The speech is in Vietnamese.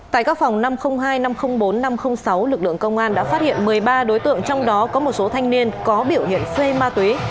tại các phòng năm trăm linh hai năm trăm linh bốn năm trăm linh sáu lực lượng công an đã phát hiện một mươi ba đối tượng trong đó có một số thanh niên có biểu hiện xây ma túy